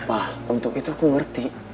wah untuk itu aku ngerti